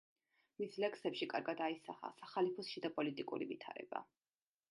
მის ლექსებში კარგად აისახა სახალიფოს შიდაპოლიტიკური ვითარება.